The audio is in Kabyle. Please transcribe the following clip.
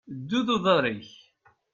Ddu d uḍaṛ-ik!